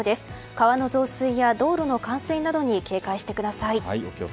川の増水や道路の冠水などに警戒してください。